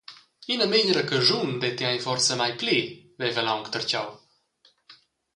Ina megliera caschun detti ei forsa mai pli, veva el aunc tertgau.